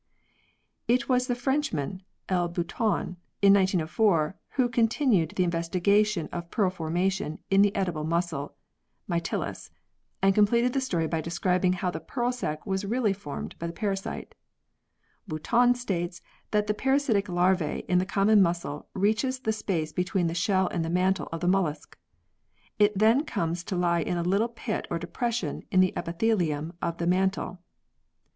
It was the Frenchman, L. Boutan, in 1904, who continued the investigation of pearl formation in the edible mussel (My til us) and completed the story by describing how the pearl sac was really formed by the parasite. Boutan states that the parasitic larva in the common mussel reaches the space between the shell and the mantle of the mollusc. It then comes to lie in a little pit or depression in the epithelium of the mantle (diagram, fig.